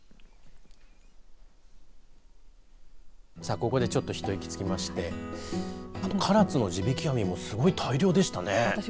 ここでちょっと一息つきまして唐津の地引き網もすごい大漁でしたね。